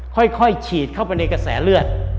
ค่อยฉีดเข้าไปในกระแสเลือด